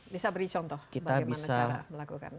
bisa beri contoh bagaimana cara melakukannya